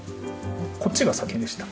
こっちが先でした。